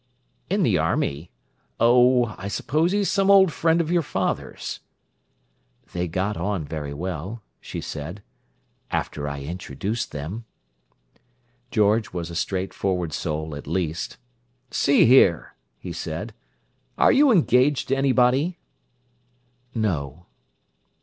"In the army? Oh, I suppose he's some old friend of your father's." "They got on very well," she said, "after I introduced them." George was a straightforward soul, at least. "See here!" he said. "Are you engaged to anybody?" "No."